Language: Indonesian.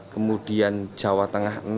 kemudian jawa tengah enam